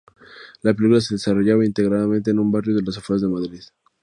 La película se desarrolla íntegramente en un barrio de las afueras de Madrid.